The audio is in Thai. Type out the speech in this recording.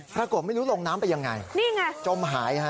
ปรากฏไม่รู้ลงน้ำไปยังไงจมหาย